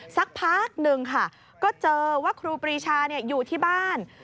สักพักหนึ่งค่ะก็เจอว่าครูปรีชาอยู่ที่บ้าน